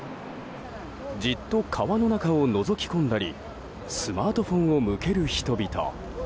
じっと川の中をのぞき込んだりスマートフォンを向ける人々。